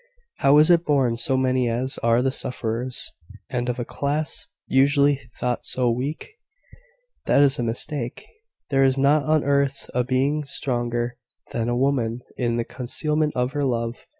'" "How is it borne so many as are the sufferers, and of a class usually thought so weak?" "That is a mistake. There is not on earth a being stronger than a woman in the concealment of her love.